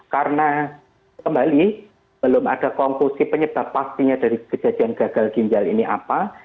karena kembali belum ada konklusi penyebab pastinya dari kejadian gagal ginjal ini apa